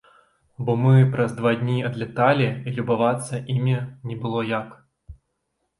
Бо мы праз два дні адляталі і любавацца імі не было як.